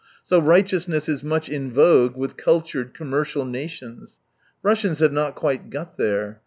So righteousness is much in vogue with cul tured, commercial nations. Russians have not quite got there.